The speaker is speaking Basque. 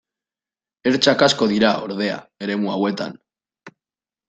Ertzak asko dira, ordea, eremu hauetan.